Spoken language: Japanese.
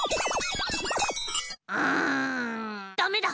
うんダメだ！